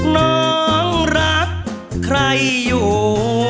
น้องรักใครอยู่